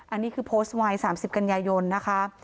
อันนี้คือโพสต์ไว้๓๐กันยายนนะคะ